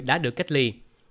đã được cách ly